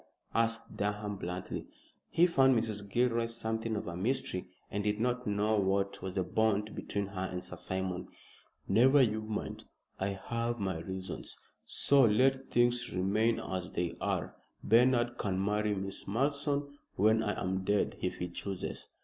asked Durham, bluntly. He found Mrs. Gilroy something of a mystery, and did not know what was the bond between her and Sir Simon. "Never you mind. I have my reasons, so let things remain as they are. Bernard can marry Miss Malleson when I am dead if he chooses."